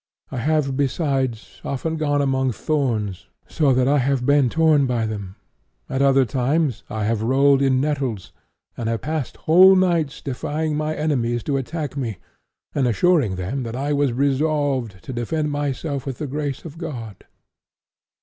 I have besides often gone among thorns so that I have been torn by them; at other times I have rolled in nettles, and I have passed whole nights defying my enemies to attack me, and assuring them that I was resolved to defend myself with the grace of God."